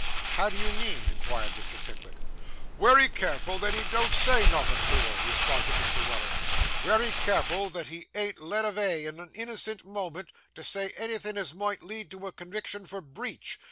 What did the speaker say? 'How do you mean?' inquired Mr. Pickwick. 'Wery careful that he don't say nothin' to her,' responded Mr. Weller. 'Wery careful that he ain't led avay, in a innocent moment, to say anythin' as may lead to a conwiction for breach.